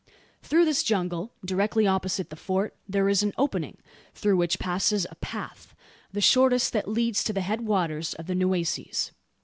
Through this jungle, directly opposite the Fort, there is an opening, through which passes a path the shortest that leads to the head waters of the Nueces.